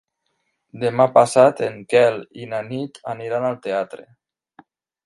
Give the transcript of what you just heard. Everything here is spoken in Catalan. Demà passat en Quel i na Nit aniran al teatre.